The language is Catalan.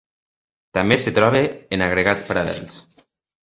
També es troba en agregats paral·lels.